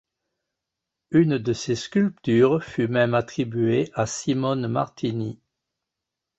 Une de ses sculptures fut même attribuée à Simone Martini.